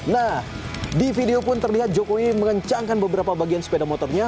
nah di video pun terlihat jokowi mengencangkan beberapa bagian sepeda motornya